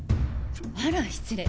あら失礼。